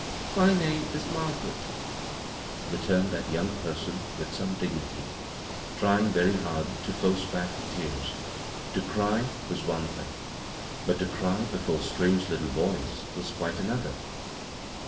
" My name is Margaret," returned that young person with some dignity, trying very hard to force back the tears — to cry was one thing ; but to cry before strange little boys was quite another.